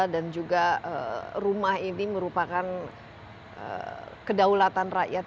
dan juga rumah ini merupakan kedaulatan rakyat